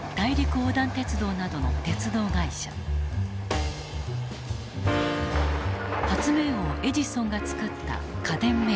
発明王エジソンが作った家電メーカー。